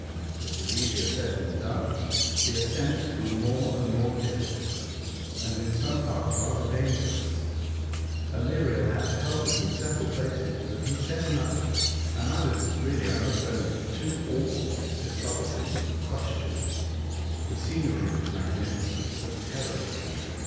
It was easier said than done. The ascent grew more and more dijfficult, and in some parts rather dangerous. Aleriel had to help us in several places ; but he said nothing, and I was really, I must own it, too awed to trouble him with questions. The scenery was magnifi cent, but terrible.